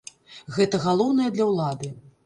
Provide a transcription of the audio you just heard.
Гэта галоўнае для ўлады.